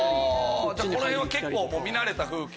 この辺は結構見慣れた風景？